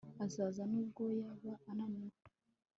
azaza nubwo yaba ananiwe